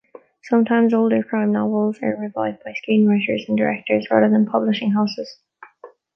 Sometimes older crime novels are revived by screenwriters and directors rather than publishing houses.